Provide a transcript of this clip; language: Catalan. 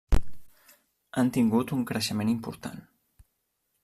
Han tingut un creixement important.